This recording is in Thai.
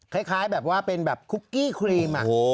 คล้ายแบบว่าเป็นแบบคุกกี้ครีม